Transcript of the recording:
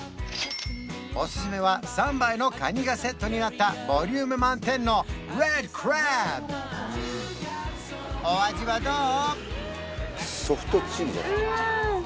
おすすめは３杯のカニがセットになったボリューム満点のレッドクラブお味はどう？